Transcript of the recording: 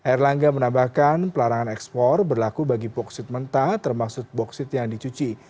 erlangga menambahkan pelarangan ekspor berlaku bagi boksit mentah termasuk boksit yang dicuci